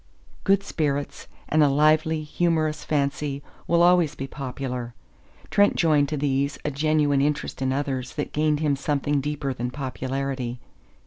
Good spirits and a lively, humorous fancy will always be popular. Trent joined to these a genuine interest in others that gained him something deeper than popularity.